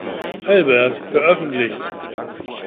Albert“ veröffentlicht.